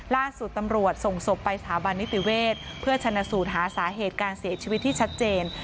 ล่าสุดตำรวจส่งศพไปสถาบันนิติเวศเพื่อชนะสูตรหาสาเหตุการเสียชีวิตที่ชัดเจน